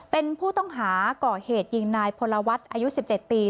เป็นผู้ต้องหาก่อเหตุยิงนายพลวัฒน์อายุ๑๗ปี